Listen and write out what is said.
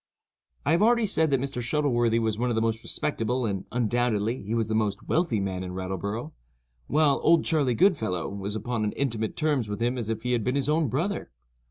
I have already said that Mr. Shuttleworthy was one of the most respectable and, undoubtedly, he was the most wealthy man in Rattleborough, while "Old Charley Goodfellow" was upon as intimate terms with him as if he had been his own brother.